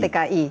bukan tkw tki